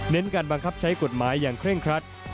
การบังคับใช้กฎหมายอย่างเคร่งครัด